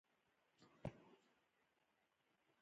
موږ په ژمي کې له کابل څخه ننګرهار ته کډه کيږو.